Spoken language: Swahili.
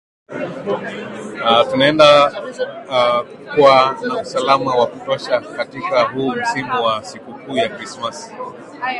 tunaenda kwa na usalama wa kutosha katika huu msimu wa sikukuu ya krismasi